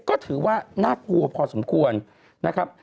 ก็ถือว่าน่ากลัวพอสมควรนะครับ